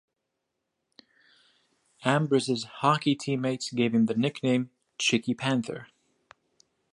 Ambrus' hockey teammates gave him the nickname Chicky Panther.